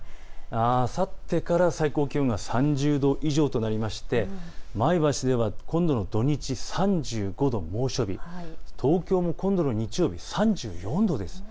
あさってから最高気温が３０度以上となって前橋では今度の土日、３５度、猛暑日東京も今度の日曜日、３４度です。